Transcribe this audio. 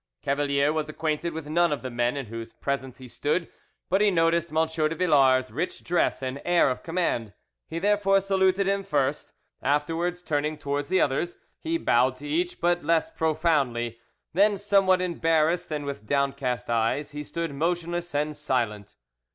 Cavalier was acquainted with none of the men in whose presence he stood, but he noticed M. de Villars' rich dress and air of command. He therefore saluted him first; afterwards, turning towards the others, he bowed to each, but less profoundly, then somewhat embarrassed and with downcast eyes he stood motionless and silent.